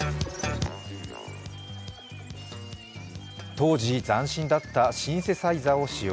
当時、斬新だったシンセサイザーを使用。